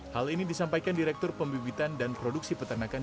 hal ini disampaikan direktur pembibitan dan produksi peternakan